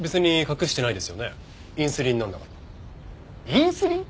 インスリン？